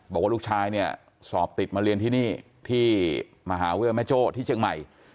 บอกว่าลูกชายเนี่ยสอบติดมาเรียนที่นี่ที่มหาวิทยาลัยแม่โจ้ที่เชียงใหม่